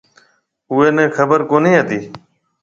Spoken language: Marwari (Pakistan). اُوئي نَي خبر ڪونهي هتي۔